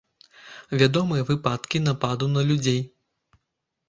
Вядомыя выпадкі нападу на людзей.